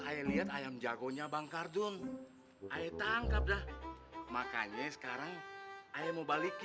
terima kasih banyak bang